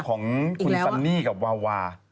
ของคุณซันนี่กับวาวา